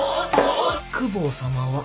公方様は。